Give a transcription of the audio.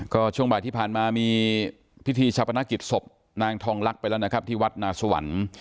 ก็ช่วงบ่ายที่ผ่านมามีพิธีชาปนกิจศพนางทองลักษณ์ไปแล้วนะครับที่วัดนาสวรรค์